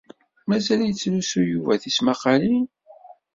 Mazal yettlusu Yuba tismaqqalin?